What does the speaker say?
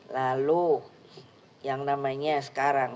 lalu yang namanya sekarang